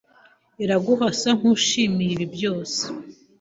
Iraguha asa nkuwishimiye ibi byose.